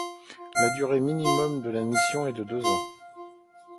La durée nominale de la mission est de deux ans.